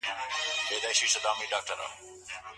په لاس خط لیکل د تیرو یادونو د ژوندي ساتلو لاره ده.